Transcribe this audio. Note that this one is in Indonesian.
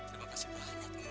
terima kasih banyak nen